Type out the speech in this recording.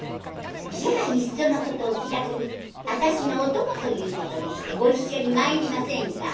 「じゃあいっそのことお気楽に私のお供ということにしてご一緒に参りませんか？」。